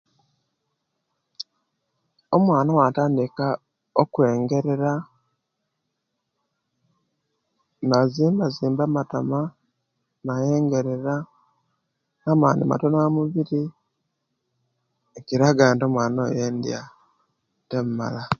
Omwana owatandika ogwengerera nazimbazimba amapama nayengerera, amani matono amubiri kiraga nti omwana oyo edia temumala